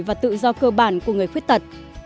và tự do cơ bản của người khuyết tật